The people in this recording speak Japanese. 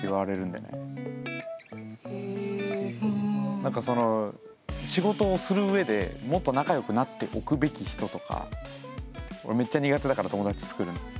俺さ仕事をするうえでもっと仲良くなっておくべき人とか俺めっちゃ苦手だから友達作るの。